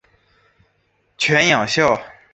犬养孝。